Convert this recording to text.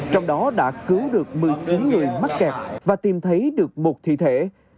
trong đó đã cứu được một mươi chín người mắc kẹt và tìm thấy được một thi thể